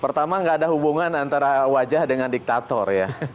pertama tidak ada hubungan antara wajah dengan diktator